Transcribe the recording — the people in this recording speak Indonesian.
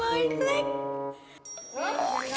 eh jangan gagal ya